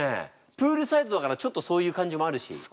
プールサイドだからちょっとそういう感じもあるし。